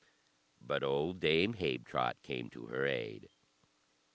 But old Dame Habetrot came to her aid.